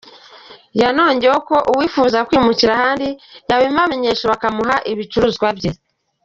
Yanongeyeho ko uwifuza kwimukira ahandi yabibamenyesha bakamuha ibicuruzwa bye.